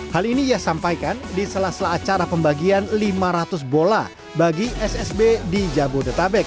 hal ini ia sampaikan di salah salah acara pembagian lima ratus bola bagi ssb di jabodetabek